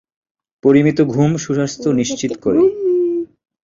পরিমিত ঘুম সুস্বাস্থ্য নিশ্চিত করে।